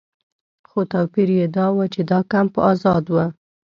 خو توپیر یې دا و چې دا کمپ آزاد و.